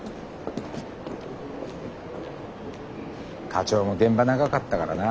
課長も現場長かったからな。